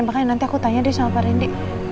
makanya nanti aku tanya deh sama pak rindy